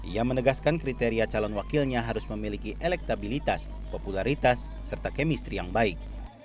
ia menegaskan kriteria calon wakilnya harus memiliki elektabilitas popularitas serta kemistri yang baik